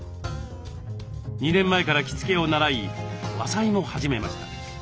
２年前から着付けを習い和裁も始めました。